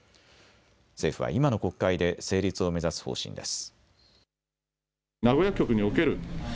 政府は今の国会で成立を目指す方針です。